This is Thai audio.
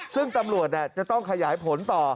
ซึ่งตำรวจจะต้องขยายผลต่อ